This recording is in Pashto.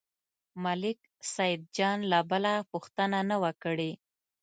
ملک سیدجان لا بله پوښتنه نه وه کړې.